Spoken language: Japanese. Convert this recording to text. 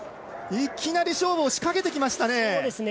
いきなり勝負を仕掛けてきましたね。